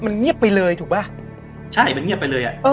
มันเงียบไปเลยถูกป่ะใช่มันเงียบไปเลยอ่ะ